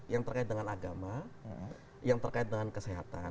yang terkait dengan agama yang terkait dengan kesehatan